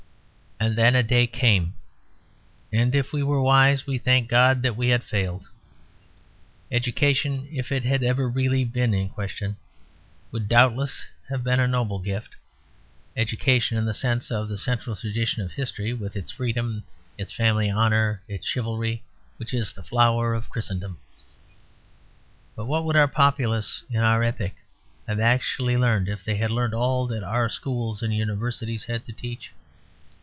And then a day came, and if we were wise, we thanked God that we had failed. Education, if it had ever really been in question, would doubtless have been a noble gift; education in the sense of the central tradition of history, with its freedom, its family honour, its chivalry which is the flower of Christendom. But what would our populace, in our epoch, have actually learned if they had learned all that our schools and universities had to teach?